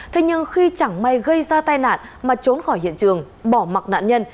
thế nhưng khi chẳng may gây ra tai nạn mà trốn khỏi hiện trường bỏ mặc nạn nhân